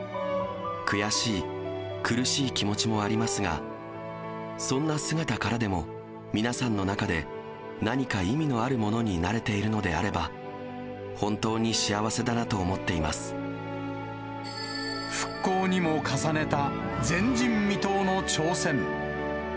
悔しい、苦しい気持ちもありますが、そんな姿からでも、皆さんの中で、何か意味のあるものになれているのであれば、本当に幸せだなと思復興にも重ねた、前人未到の挑戦。